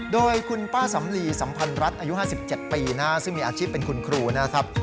โดยคุณป้าสำลีสัมพันธ์รัฐอายุ๕๗ปีนะฮะซึ่งมีอาชีพเป็นคุณครูนะครับ